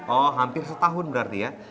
oh hampir setahun berarti ya